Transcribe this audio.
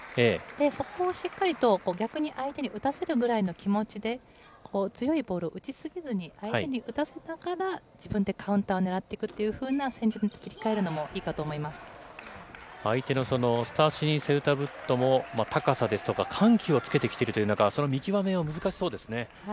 そこをしっかりと逆に相手に打たせるぐらいの気持ちで、強いボールを打ち過ぎずに、相手に打たせながら、自分でカウンターを狙っていくというふうな戦術に変えるのもいい相手のスタシニ・セウタブットも、高さですとか、緩急をつけているという中、その見極めが難しそうですね。